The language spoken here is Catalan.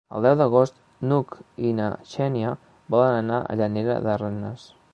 El deu d'agost n'Hug i na Xènia volen anar a Llanera de Ranes.